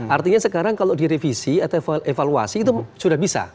artinya sekarang kalau direvisi atau evaluasi itu sudah bisa